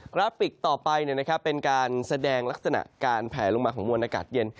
ราฟิกต่อไปเป็นการแสดงลักษณะการแผลลงมาของมวลอากาศเย็น